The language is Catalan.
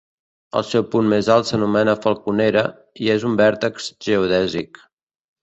El seu punt més alt s'anomena Falconera i és un vèrtex geodèsic.